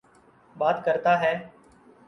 بات کرتا ہے۔